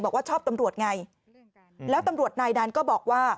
บอกว่าชอบตำรวจไงแล้วตำรวจนายนั้นก็บอกว่า